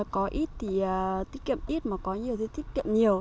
có ít thì tiết kiệm ít mà có nhiều tiết kiệm nhiều